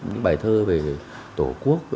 những bài thơ về tổ quốc